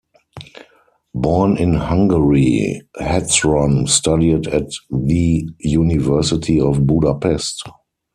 Born in Hungary, Hetzron studied at the University of Budapest.